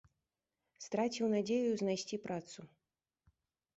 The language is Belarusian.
Страціў надзею знайсці працу.